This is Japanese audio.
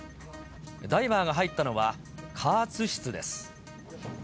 ダイバーが入ったのは、加圧室です。